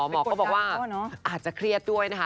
หมอก็บอกว่าอาจจะเครียดด้วยนะคะ